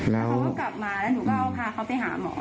แล้วเขาก็กลับมาแล้วหนูก็เอาพาเขาไปหาหมอ